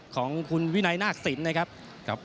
ของคุณวินัยนาศิลป์นะครับ